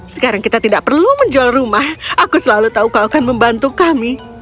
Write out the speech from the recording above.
sekarang kita tidak perlu menjual rumah aku selalu tahu kau akan membantu kami